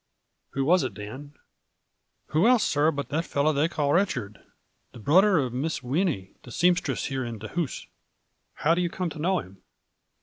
" Who was it, Dan ?"" Who else, sir, but the fellow they call Rich ard, the brother of Miss Winnie, the seam stress here in the house." " How do you come to know him